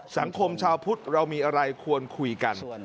สังคมชาวพุทธเรามีอะไรควรคุยกัน